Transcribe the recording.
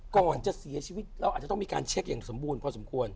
ก่อนจะเสียชีวิตเราอาจจะต้องมีการเช็คอย่างสมบูรณ์พอสมควร